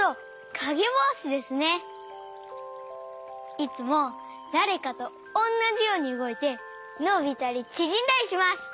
いつもだれかとおんなじようにうごいてのびたりちぢんだりします！